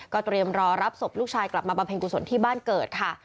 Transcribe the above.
เตรียมรอรับศพลูกชายกลับมาบำเพ็ญกุศลที่บ้านเกิดค่ะ